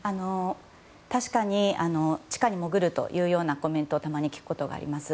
確かに、地下に潜るというようなコメントをたまに聞くことがあります。